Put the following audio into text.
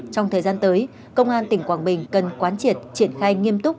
trong thời gian tới công an tỉnh quảng bình cần quán triệt triển khai nghiêm túc